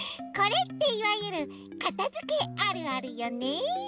これっていわゆるかたづけあるあるよね。